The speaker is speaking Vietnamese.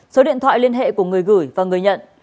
số điện thoại liên hệ của người gửi và người nhận